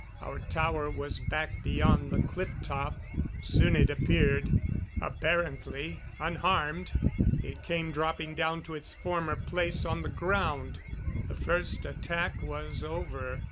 Our tower was back beyond the cliff top. Soon it appeared; apparently unharmed, it came dropping down to its former place on the ground. The first attack was over.